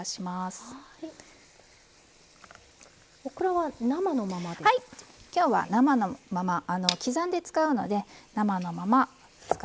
はいきょうは生のまま刻んで使うので生のまま使っていきます。